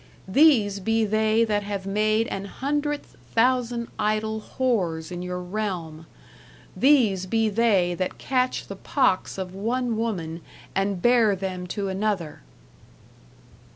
These be they that have made an hundredth thousand idell hores in your realme. These be they that catche the pokkes of one woman, and here them to an other.